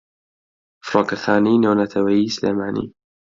فڕۆکەخانەی نێونەتەوەییی سلێمانی